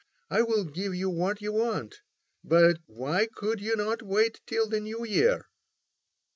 I will give you what you want, but why could you not wait till the New Year?"